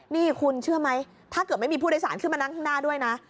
นี่คุณเชื่อไหมถ้าเกิดไม่มีผู้โดยสารขึ้นมานั่งข้างหน้าด้วยนะ